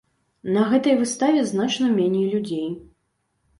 На гэтай выставе значна меней людзей.